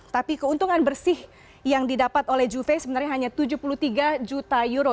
tapi keuntungan bersih yang didapat oleh juve sebenarnya hanya tujuh puluh tiga juta euro